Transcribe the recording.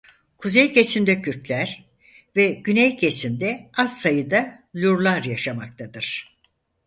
Kuzey kesimde Kürtler ve güney kesimde az sayıda Lurlar yaşamaktadır.